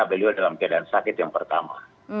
beliau dalam keadaan sakit yang pertama